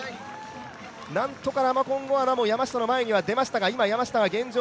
なんとかラマコンゴアナも山下の前には出ましたが、今、山下が現状